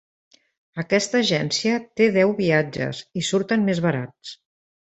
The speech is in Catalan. Aquesta agència té deu viatges i surten més barats.